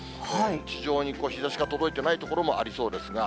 地上に日ざしが届いてない所もありそうですが。